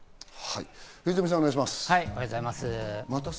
藤富さん、お願いします。